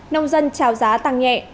nông dân trào giá tăng nhẹ